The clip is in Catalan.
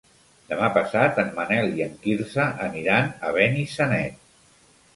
Demà passat en Manel i en Quirze aniran a Benissanet.